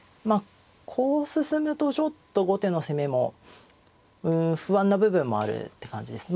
こう進むとちょっと後手の攻めも不安な部分もあるって感じです。